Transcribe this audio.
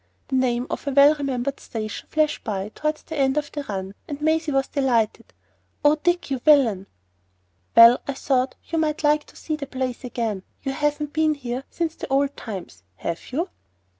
The name of a well remembered station flashed by, towards the end of the run, and Maisie was delighted. "Oh, Dick, you villain!" "Well, I thought you might like to see the place again. You haven't been here since the old times, have you?"